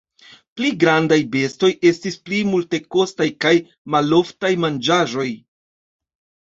Pli grandaj bestoj estis pli multekostaj kaj maloftaj manĝaĵoj.